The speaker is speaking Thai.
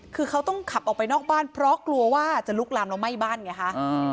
คือเขาต้องขับออกไปนอกบ้านเพราะกลัวว่าจะลุกลามแล้วไหม้บ้านไงคะ